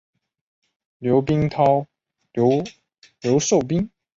刘寿斌是一名中国男子举重运动员。